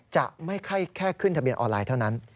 จะไม่ค่อยแค่ขึ้นทะเบียนออนไลน์เท่านั้น